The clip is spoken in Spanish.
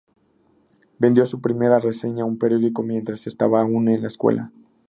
Vendió su primera reseña a un periódico mientras estaba aún en la escuela.